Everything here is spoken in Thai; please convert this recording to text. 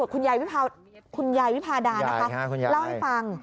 คุณยายคุณยายวิพาดานะคะเล่าให้ฟัง